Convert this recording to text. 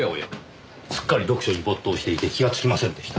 すっかり読書に没頭していて気がつきませんでした。